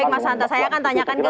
baik mas hanta saya akan tanyakan ke